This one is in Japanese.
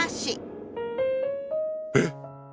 えっ？